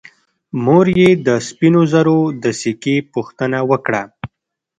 مور یې د سپینو زرو د سکې پوښتنه وکړه.